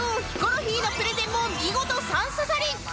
ヒコロヒーのプレゼンも見事３刺さり